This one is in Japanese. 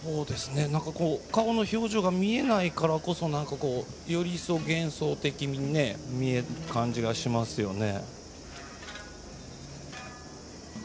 顔の表情が見えないからこそより一層、幻想的に見える感じがしますよね。